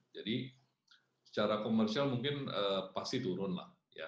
jadi secara komersial mungkin pasti turun lah ya